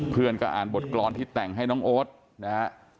เพื่อนก็อ่านบทกรรมที่แต่งให้น้องโอ๊ตนะฮะ